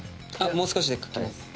もう少しで書けます